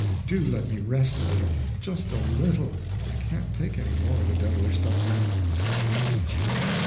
Do let me rest a little just a little; I can't take any more of the devilish stuff now." "Luigi!